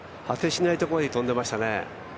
果てしないところへ飛んでましたね。